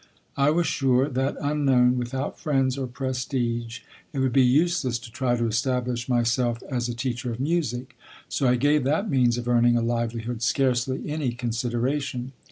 I was sure that unknown, without friends or prestige, it would be useless to try to establish myself as a teacher of music; so I gave that means of earning a livelihood scarcely any consideration.